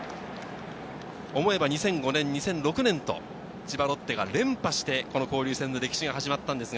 思えば２００５年、２００６年と千葉ロッテが連覇して交流戦の歴史が始まりました。